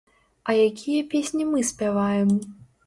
А якія песні мы спяваем?